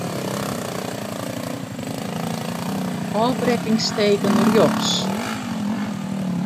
Ofbrekkingsteken rjochts.